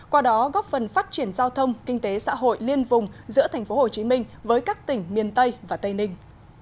qua đó góp phần phát triển giao thông kinh tế xã hội liên vùng giữa tp hcm với các tỉnh miền tây và tây ninh